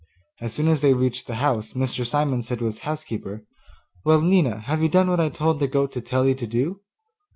As soon as they reached the house Mr. Simon said to his housekeeper, 'Well, Nina, have you done what I told the goat to tell you to do?